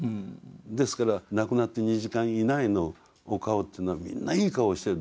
ですから亡くなって２時間以内のお顔というのはみんないい顔をしてる。